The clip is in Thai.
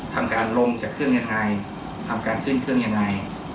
ทำการลงจากเครื่องยังไงทำการขึ้นเครื่องยังไง